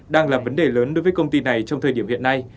đang là vấn đề lớn đối với công ty này